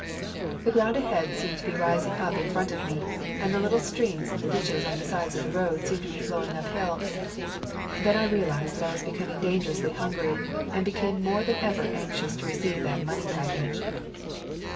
The ground ahead seemed to be rising up in front of me, and the little streams in the ditches on the sides of the road seemed to be flowing up hill. Then I realized that I was becoming dan gerously hungry and became more than ever anxious to receive that money package.